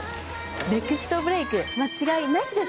ネクストブレイク間違いなしです！